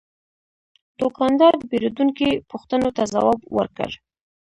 دوکاندار د پیرودونکي پوښتنو ته ځواب ورکړ.